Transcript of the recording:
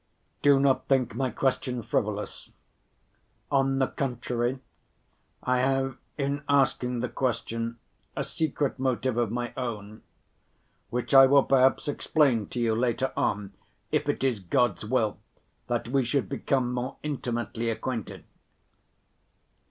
Do not think my question frivolous; on the contrary, I have in asking the question a secret motive of my own, which I will perhaps explain to you later on, if it is God's will that we should become more intimately acquainted."